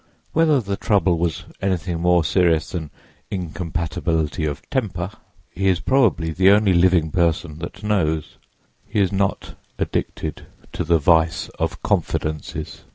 Whether the trouble was anything more serious than "incompatibility of temper," he is probably the only living person that knows: he is not addicted to the vice of confidences.